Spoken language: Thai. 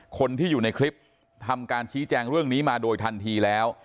คนที่อยู่ในคลิปทำการชี้แจงเรื่องนี้มาโดยทันทีแล้ว